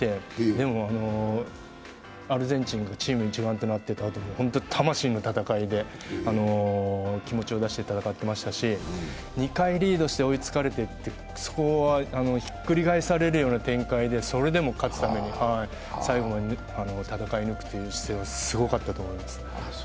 でも、アルゼンチンもチーム一丸となって戦って、ホント、魂の戦いで気持ちを出して戦ってましたし２回リードして追いつかれてそこはひっくり返されるような展開で、それでも勝つために最後まで戦い抜くという姿勢はすごかったと思います。